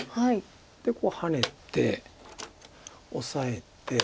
でこうハネてオサえて。